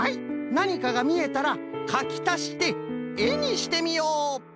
なにかがみえたらかきたしてえにしてみよう。